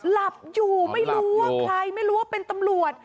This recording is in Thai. หลับอยู่ไม่รู้ว่าใครไม่รู้ว่าเป็นตำรวจ